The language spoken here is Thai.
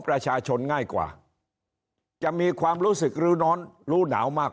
ประชาชนง่ายกว่าจะมีความรู้สึกรู้ร้อนรู้หนาวมาก